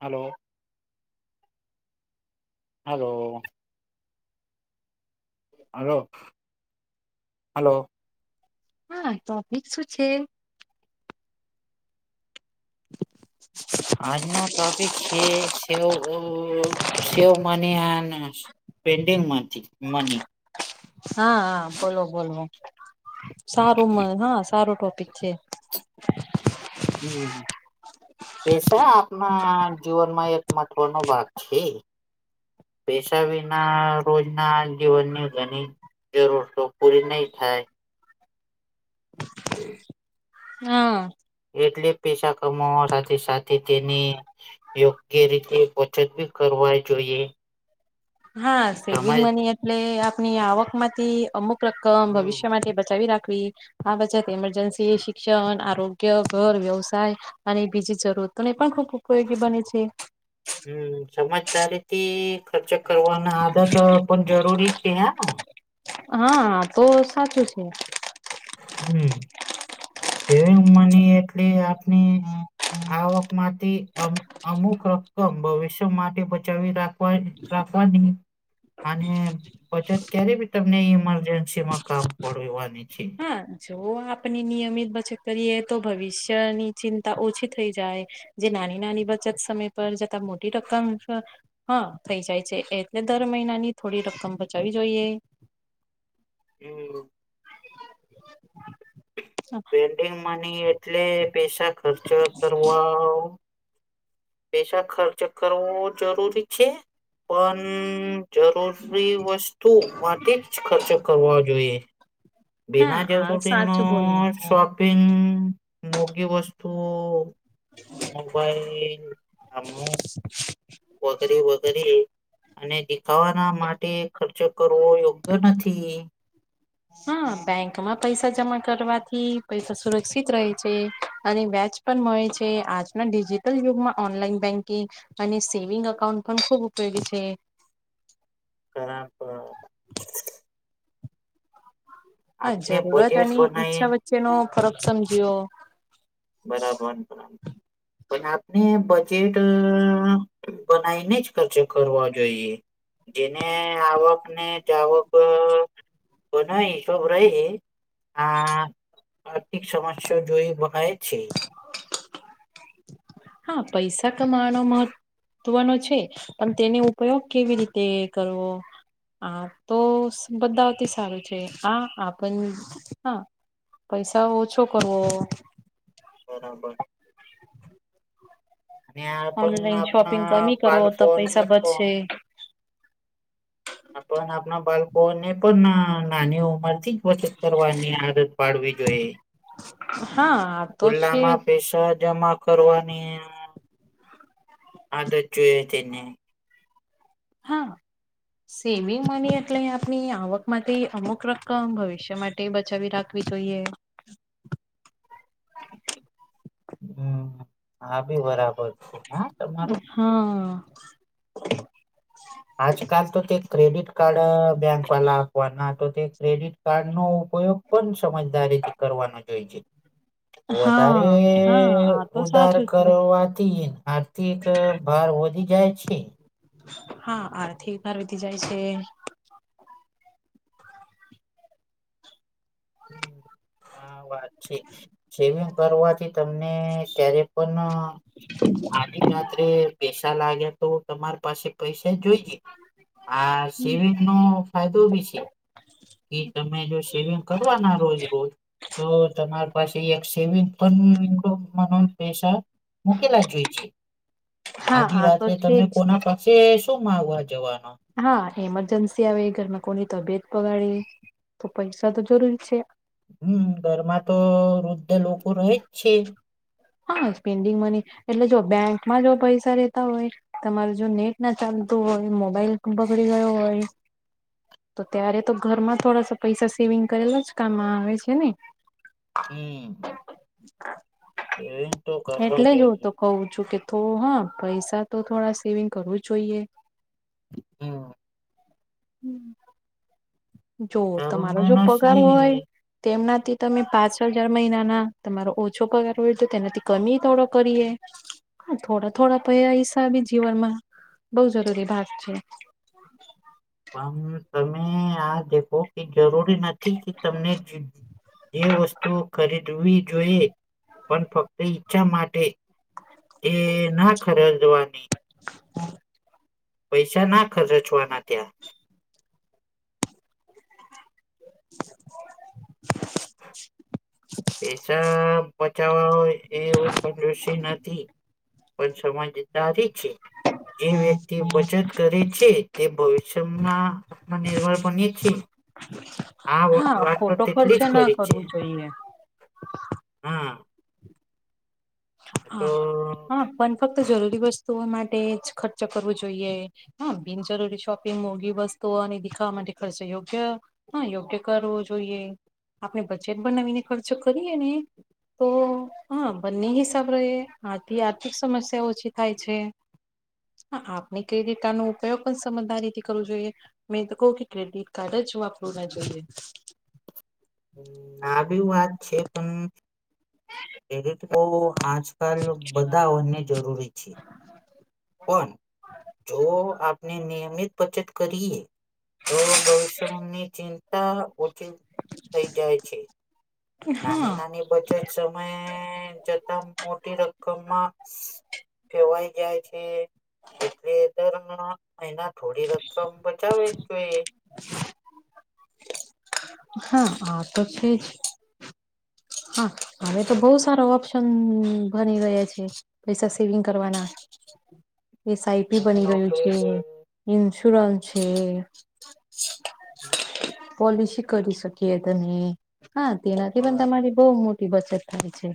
Hello. Hello. Hello, hello. હા, topic શું છે? [unintelligible] આજનો ટોપિક છે, સવ સેવ મન પેન્ડિંગમાંથી મની હા, હા, બોલો, બોલો, સારું. મ હા, સારું ટોપિક છે. [unintelligible] પૈસા આપના જીવનમાં એક મહત્વનો ભાગ છે. પેશ વિ ના રોજ ના જીવનની ગણી જરૂર તો પૂરી નઈ થાય. હાન. એટલે પેસા કમાવા સાથે સાથે તેને યોગ્ય રીતે બચત બી કરવા જોઈએ. હા, સેવિંગ સમજ મની એટલે આપની આવકમાંથી અમુક રકમ ભવિષ્ય માટે બચાવી રાખવી. આ બચત ઇમરજન્સી, શિક્ષણ, આરોગ્ય, ઘર વ્યવસાય અને બીજી જરૂરતો ને પણ ખૂબ ઉપયોગી બને છે. હમ્મ. સમજદારીથી ખર્ચ કરવાના આદતો પણ જરૂરી છે હાન. હા, આ તો સાચું છે. હમ્મ. સેવિંગ મની એટલી આપની આવકમાંથી અમ અમુક રકમ ભવિષ્ય માટે બચાવી રાખવાન રાખવાની અને બચત ક્યારે બી તમને ઈમરજન્સીમાં કામ પડએવાની છે. હા જો આપની નિયમિત બચત કરીએ તો ભવિષ્યની ચિંતા ઓછી થઈ જાય. જે નાની નાની બચત સમય પર જતા મોટી રકમ હા, થઈ જાય છે એટલે દર મહિનાની થોડી રકમ બચાવવી જોઈએ. હમ્મ. પેન્ડિંગ મની એટલે પૈસા ખર્ચ કરવા પૈસા ખર્ચ કરવો જરૂરી છે પણ જરૂર ફ્રી વસ્તુ માટે જ ખર્ચ કરવો જોઈએ. બિના હા આ જરૂરીનો સાચું બોલ્યા શોપિંગ, મોંઘી વસ્તુઓ મોબાઈલિંગ અમુ વગેરે વગેરે અને દેખાવાના માટે ખર્ચો કરવો યોગ્ય નથી. હા, બેંકમાં પૈસા જમા કરવાથી પૈસા સુરક્ષિત રહે છે અને વ્યાજ પણ મળે છે. આજના ડિજિટલ યુગમાં ઓનલાઈન બેન્કિંગ અને સેવિંગ અકાઉન્ટ પણ ખૂબ ઉપયોગી છે. બરાબર. હા, આપણે જરૂરત બજેટ અને ઈચ્છા બનાવીને વચ્ચેનો ફરક સમજ્યો. બરાબર બરાબર. પણ આપને બજેટ અઅ બનાઈને જ ખર્ચો કરવો જોઈએ. જેને આવક ને જાવક બનાઈ શોવરાઈએ આ આર્થિક સમસ્યા જોઈ બનાય છે. હા પૈસા કમાવાનો મહ ત્વનો છે પણ તેનો ઉપયોગ કેવી રીતે કરવો? હા તો બધાથી સારું છે. આ આપણ હા પૈસા ઓછો કરવો. બરાબર. અને આ પણ ઓનલાઈન શોપિંગ આપના કમી કરો તો બાલફોનને પૈસા ફોન બચશે આપણને આપના બાળકોને પણ નાની ઉંમરથી કોશિશ કરવાની આદત પાડવી જોઈએ. હા આ તો છે ગુલ્લામાં પેસા જમા કરવાની આદત જોઈએ તેને. હા સેવિંગ મની એટલે આપની આવક માટે અમુક રકમ ભવિષ્ય માટે તે બચાવી રાખવી જોઈએ હમ આ બી બરાબર છે હા તમારું હા આજકાલ તો તે ક્રેડિટ કાર્ડ બ બેંક વાલા આપવાના તો તે ક્રેડિટ કાર્ડ નો ઉપયોગ પણ સમજદારી થી કરવાનો જોઈ છે વધારે હા હા આ તો ઉધાર સાચું છે કરવાથી તે એક ભાર વધી જાય છે હા આરથી બાર વધધી જાય છે હા વાત છે સેવિંગ કરવાથી તમને ક્યારે પણ અને રાત્રે પૈસાા લાગે ન [inaudible] [inaudible] તો તમારી પાસે પૈસા જોઈએ આ સેવિંગ નો ફાયદો બી છે. કે તમે જો સેવિંગ કરવાના રોજ રોજ તો તમાર પાસે એક સેવિંગ, પણ [inaudible] [inaudible] મ પેસા મુકેલા જોઈ છે હા આજે આ તો રાત્રે છે તમે જ કોના પા સે શું માંગવા જવાનો? હા એમરજન્સી આવે ઘરમાં કોની તબિયત બગાડે તો પૈસા તો જરૂરી છે. હમ ઘરમાં તો વૃદ્ધ લોકો રહે જ છે. હા સ્પેન્ડિંગ મની, એટલે જો બેંકમાં જો પૈસા રેતા હોય તમારે જો નેટ ના ચાલતું હોય મોબાઈલ, બગડી ગયો હોય, [inaudible] [inaudible] [inaudible] તો ત્યારે તો ઘરમાં થોડાસા પૈસા સેવિંગ કરેલા જ કામમાં આવે છે ને. હમ. સેવિંગ તો કરવા એટલે જ હું જોઈએ તો કવું છું કે, તો હા પૈસા તો થોડા સેવિંગ કરવું જ જોઈએ. હમ, હમ, [inaudible] [inaudible] જો તમારો જો તરુણ પગાર હોય, શ્રી તેમનાથી તમે પાંચ હજાર મહિનાના તમારો ઓછો પગાર હોય તો તેનાથી કમી થોડો કરીએ. થોડા થોડા પૈહા હિસાબી જીવન માં બઉ જરૂરી ભાગ છે. પણ તમે આ દેખો, એ જરૂરી નથી કે તમને જ જે વસ્તુઓ ખરી, જોવી જોઈએ પણ ફક્ત ઈચ્છા માટે, એ ના ખરદવાની. [unintelligible] [inaudible] [inaudible] પૈસા ના ખરચવાના ત્યાં. પૈસા બચાવવા એવું કંજોશી નથી. પણ સમજદારી છે એ વ્યક્તિ બચત, કરે છે તે ભવિષ્યમાં આત્મનિર્ભર, બંને છે આ હા વાત તો ખોટો તેટલી જ ખર્ચો ના ખરી છે. કરવો જોઈએ. હા, આ તો હા હા પણ ફક્ત જરૂરી વસ્તુઓ માટે જ ખર્ચો કરવું જોઈએ, હા બિનજરૂરી શોપિંગ મોઘી વસ્તુઓ અને દેખાવા માટે ખર્ચો યોગ્ય, હા યોગ્ય કરવો જોઈએ આપણે બજેટ બનાવીને ખર્ચો કરીએ ને તો હા બને હી સાબ રહે આથી આર્થિક સમસ્યા ઓછી થાય છે. હ આપણે કઈ રીતા નો ઉપયોગ પણ સમજદારીથી કરવો જોઈએ મેં તો કહું કે ક્રેડિટ કાર્ડ જ વાપરવુ ના જોઈએ. હમ્મ આબી વાત છે પણ ક્રેડિટ તો આજકાલ બધાઓને જરૂરી છે. પણ જો આપણે નિયમિત બચત કરીએ. તો ભવિષ્યની ચિંતા ઓછી થઈ જાય છે. નાની હા નાની બચત સમયે જતા મોટી રકમમાં. ફેરવાઈ જાય છે. એટલે એના થોડી રકમ બચાવી જ જોઈએ. [inaudible] હા આ તો છે જ હા હવે તો જોઈએ બહુ સારો ઓપ્ શન ભની રહ્યા છે પૈસા સેવિંગ કરવાના. એસઆઈપી તમે બની ગયુ નોકરી છે પર- ઇન્સ્યોરન્સ છે. [inaudible] પોલિસી કરી શકીએ તમે હા તેનાથી પણ અ, તમારી બહુ મોટી બચત થાય છે.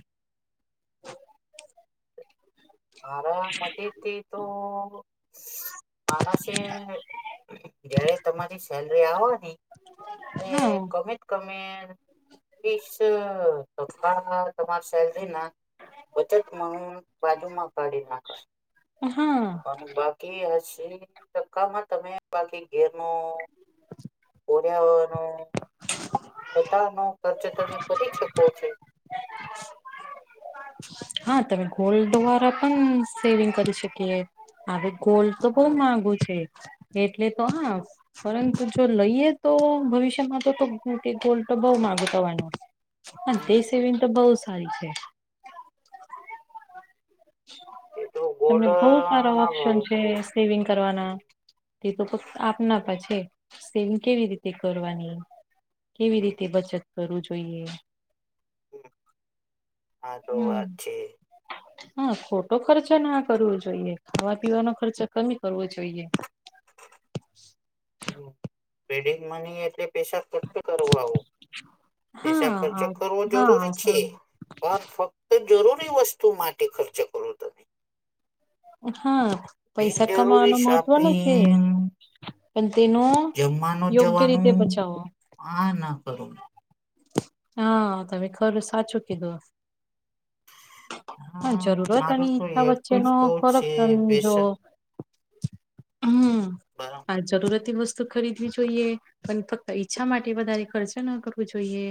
મારા મદે તે તો માણસે જયારે તમારી સેલરી આવવા ની એ હા કમત કમે બીસ તમાર તમાર સેલરી ના બચત મણ બાજુમાં કાઢી નાખ હા [unintelligible] કે હસી ટક્કામાં તમે બાકી ઘેર નો [inaudible] ર્યાવાનો બતાનો ખર્ચ તમે કરી શકો છો હા તમે ગોલ્ડ દરા પણ સેવિંગ કરી શકીએ આવે ગોલ્ડ તો બહ હમ માંગુ છે એટલે તો હા પરંતુ જો લઈએ તો ભવિષ્યમાં તો તો મો ગોલ્ટ બઉ માગુ થવાનો હ તે હમ સેવીન તો બહુ સારી છે એટલું ગોલ્ડ તમને બહુ સારા ના ભાવ ઓપ્શન છે તો સેવિંગ કરવાના તે તો ફક્ત આપના પર છે સેવિંગ કેવી રીતે કરવાની કેવી હમ, રીતે બચત કરવું જોઈએ હમ્મ હા તો હમ વાત છે હા ખોટો ખર્ચ ના કરવો જોઈએ ખાવા પીવાનો ખર્ચ કમી કરવો જોઈએ પેડ મની એટલે પેસા ખર્ચ કરવા પેસા ખર્ચ હા કરવો જરૂરી છે હા પણ ફક્ત જરૂરી વસ્તુ માટે ખર્ચ કરો તમે હા પૈસા બિનજરૂરી કમાવાનો મહત્વનો છે શોપિંગ પણ તેનો જમવાનું યોગ્ય રીતે જવાનું બચાવો આ ના કરો હા તમે ખરું સાચું કીધું હા જરૂરત અને મારું તો ઈચ્છા એટલું જ વચ્ચેનો કવું છે કરપશન બેશક જો હમ્મ બરાબર. અને જરૂરતતી વસ્તુ ખરીદવી જોઈએ. પણ ફક્ત ઈચ્છા માટે વધારે ખર્ચ ન કરવું જોઈએ.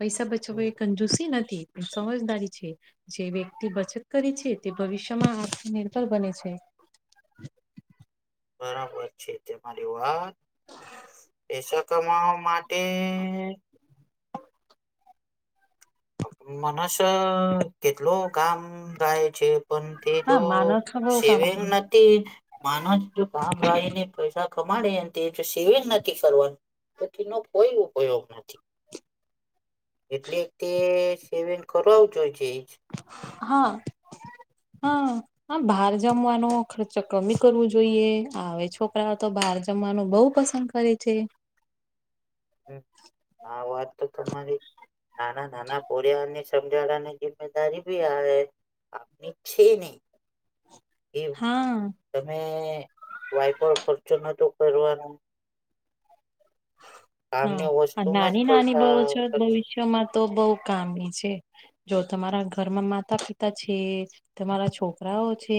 પૈસા હમ બચાવવા એ કંજૂસી નથી. સમજદારી છે જે વ્યક્તિ બચત કરી છે તે ભવિષ્યમાં આત્મનિર્ભર બને છે. બરાબર છે તમારી વાત. પૈસો કમાવા માટે મનસ કેટલો કામ થાય છે પણ તે તો હા માનવ સ્વભાવ કામ સેવેંગ કરે નથ તે માનોસ કામ કરીને પૈસા કમાડે તે જો સેવિંગ નથી કરવાનું. તો તેનો કોઈ ઉપયોગ નથી. એટલે કે સેવિંગ કરાવવું જ જોઈએ. હા-હા. હા બહાર જમવાનો ખર્ચો કમી કરવો જોઈએ આવે છોકરાઓ તો બહાર જમવાનું બહુ પસંદ કરે છે. હમ્મ આ વાત તો તમારી નાના-નાના પોરીયાઓની સમજાડાની જિમ્મેદારી ભી આવે. આવે છે ને. એવું હા તમે વાયપર ખર્ચો નતો કરવાનો. હા કામની આ વસ્તુમાં જ નાની-નાની પૈસા બહ છો ભવિષ્યમાં તો બહુ કામની છે. જો તમારા ઘરમાં માતા-પિતા છે. તમારા છોકરાઓ છે.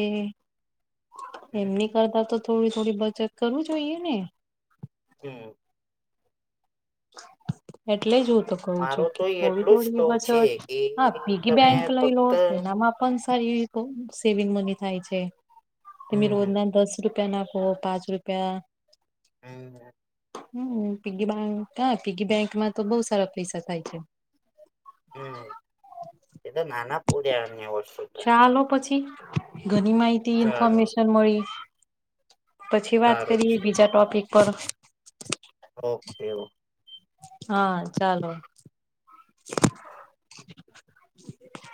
એમની કરતા તો થોડી-થોડી બચત કરવું જોઈએ ને. હમ્મ. એટલે જ હું તો. કહું મારો છું કે તો એટલું જ થોડી-થોડી કવ બચત છે કે હા પીગી તમે બેંક લઈ લો ફક્ત એનામાં એ પણ સારી કહુ સેવિંગ મની થાય છે તમે હમ રોજના દસ રૂપિયા રૂપિયા નાખો. પાંચ રૂપિયા. હમ્મ. હમ્મ પીગી બેંક. ક્યા પીકી બેંક માં તો બહુ સારા પૈસા થાય છે. હમ્મ એ તો નાના પોરીયાઓની વસ્તુ તોય. ચાલો પછી ઘણી માહિતી ચાલો ઇન્ફોર્મેશન મળી. પછી વાત સારું કરીએ છે બીજા ટોપિક પર. ઓકે-ઓકે. હા ચાલો. [inaudible]